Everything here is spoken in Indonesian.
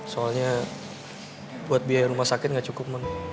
soalnya buat biaya rumah sakit gak cukup mon